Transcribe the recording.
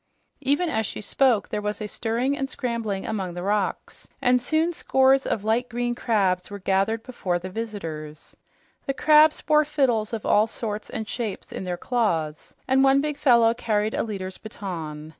Even as she spoke, there was a stirring and scrambling among the rocks, and soon scores of light green crabs were gathered before the visitors. The crabs bore fiddles of all sorts and shapes in their claws, and one big fellow carried a leader's baton.